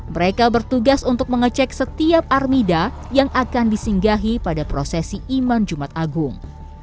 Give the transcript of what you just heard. mereka bertugas untuk mengecek setiap armida yang akan disinggahi pada prosesi iman jumat agung